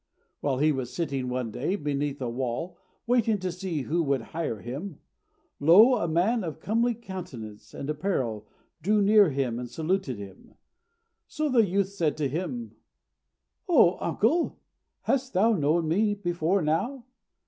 While he was sitting one day beneath a wall, waiting to see who would hire him, lo! a man of comely countenance and apparel drew near to him and saluted him. So the youth said to him, "O uncle, hast thou known me before now?"